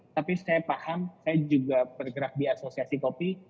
tapi saya paham saya juga bergerak di asosiasi kopi